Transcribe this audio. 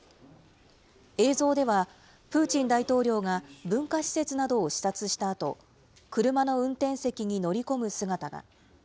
映像では、プーチン大統領が、文化施設などを視察したあと、車の運転席に乗り込む姿が。